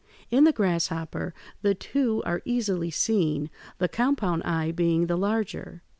In the grasshopper (Fig. 155) the two are easily seen, the compound eye being the larger.